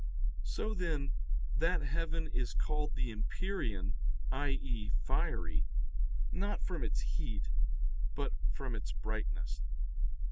So, then, that heaven is called the empyrean, i.e. fiery, not from its heat, but from its brightness.